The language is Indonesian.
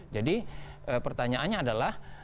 jadi pertanyaannya adalah